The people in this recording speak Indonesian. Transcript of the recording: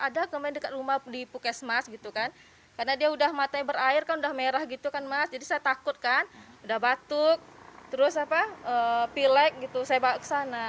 ada kemarin dekat rumah di pukesmas gitu kan karena dia udah matanya berair kan udah merah gitu kan mas jadi saya takut kan udah batuk terus apa pilek gitu saya bawa ke sana